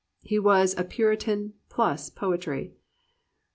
He was a puritan pliis p)oetry.